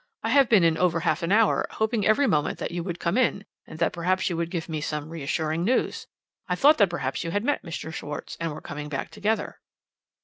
I have been in over half an hour, hoping every moment that you would come in, and that perhaps you could give me some reassuring news. I thought that perhaps you had met Mr. Schwarz, and were coming back together.'